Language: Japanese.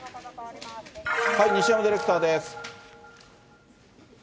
西山ディレクターです。